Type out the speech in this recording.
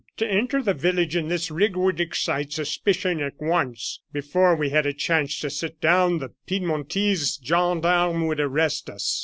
To enter the village in this rig would excite suspicion at once; before we had a chance to sit down, the Piedmontese gendarmes would arrest us."